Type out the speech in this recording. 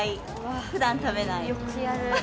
ふだん食べない。